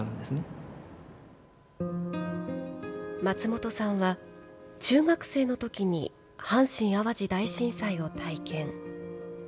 松本さんは、中学生のときに阪神・淡路大震災を体験。